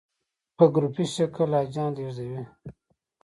په ګروپي شکل حاجیان لېږدوي.